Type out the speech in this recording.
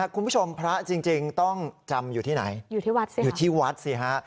คุณผู้ชมพระจริงต้องจำอยู่ที่ไหนอยู่ที่วัดสิอยู่ที่วัดสิฮะ